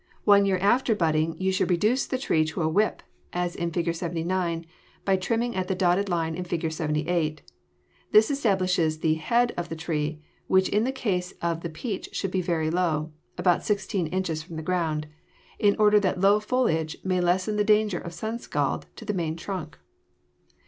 One year after budding you should reduce the tree to a "whip," as in Fig. 79, by trimming at the dotted line in Fig. 78. This establishes the "head" of the tree, which in the case of the peach should be very low, about sixteen inches from the ground, in order that a low foliage may lessen the danger of sun scald to the main trunk.